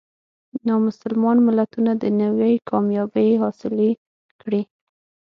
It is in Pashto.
نامسلمان ملتونه دنیوي کامیابۍ حاصلې کړي.